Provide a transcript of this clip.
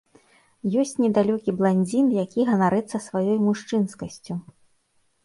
Ёсць недалёкі бландзін, які ганарыцца сваёй мужчынскасцю.